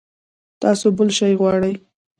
تاسو بل شی غواړئ؟